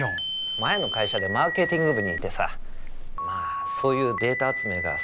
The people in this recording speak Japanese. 前の会社でマーケティング部にいてさまあそういうデータ集めが好きっていうか得意なんだ。